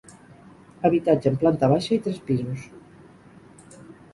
Habitatge amb planta baixa i tres pisos.